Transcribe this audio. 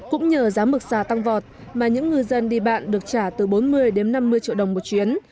cũng nhờ giá mực xà tăng vọt mà những ngư dân đi bạn được trả từ bốn mươi đến năm mươi triệu đồng một chuyến